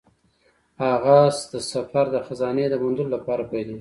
د هغه سفر د خزانې د موندلو لپاره پیلیږي.